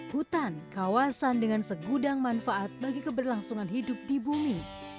hutan kawasan dengan segudang manfaat bagi keberlangsungan hidup di bumi